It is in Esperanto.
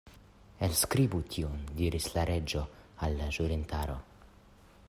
"Elskribu tion," diris la Reĝo al la ĵurintaro.